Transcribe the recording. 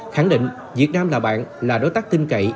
khẳng định việt nam là bạn là đối tác tinh cậy